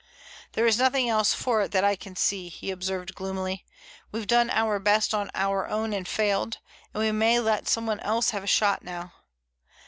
"There's nothing else for it that I can see," he observed gloomily. "We've done our best on our own and failed, and we may let someone else have a shot now.